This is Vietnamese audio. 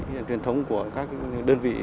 truyền thống của các đơn vị